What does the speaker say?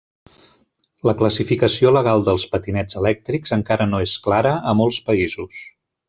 La classificació legal dels patinets elèctrics encara no és clara a molts països.